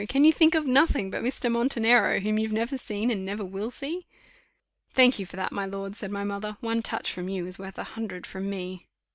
Can you think of nothing but Mr. Montenero, whom you've never seen, and never will see?" "Thank you for that, my lord," said my mother; "one touch from you is worth a hundred from me."